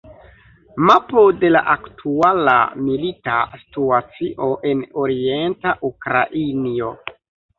Mapo de la aktuala milita situacio en orienta Ukrainio.